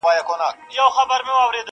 کيږي او ژورېږي.